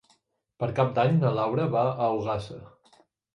Per Cap d'Any na Laura va a Ogassa.